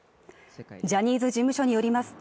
ジャニーズ事務所によりますと